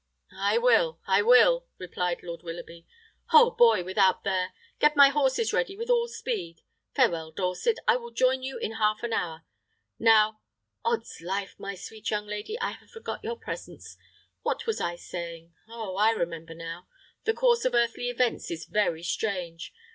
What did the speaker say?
"I will, I will," replied Lord Willoughby. "Ho, boy! without there. Get my horses ready with all speed. Farewell, Dorset; I will join you in half an hour. Now Odds' life, my sweet young lady, I had forgot your presence. What was it we were saying? Oh, I remember now. The course of earthly events is very strange.